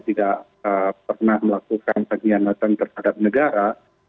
tidak pernah melakukan pengkhianatan terhadap negara